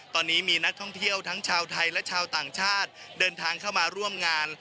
ตอนนี้มีนักท่องเที่ยวทั้งชาวไทยและชาวต่างชาติเดินทางเข้ามาร่วมงาน